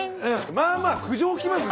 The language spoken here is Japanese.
まあまあ苦情きますよ